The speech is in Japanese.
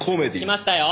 きましたよ。